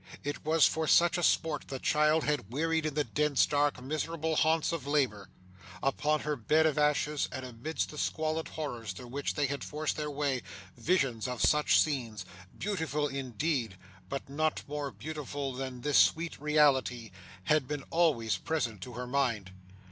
It was for such a spot the child had wearied in the dense, dark, miserable haunts of labour. Upon her bed of ashes, and amidst the squalid horrors through which they had forced their way, visions of such scenes beautiful indeed, but not more beautiful than this sweet reality had been always present to her mind.